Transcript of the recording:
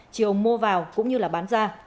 chiều mua vào cũng như là bán ra